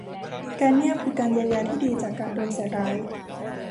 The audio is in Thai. การเงียบคือการเยียวยาที่ดีจากการโดนใส่ร้าย